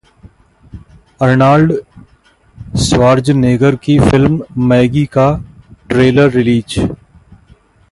Arnold Schwarzenegger की film 'Maggie' का trailer release